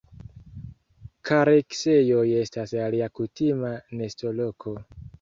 Kareksejoj estas alia kutima nestoloko.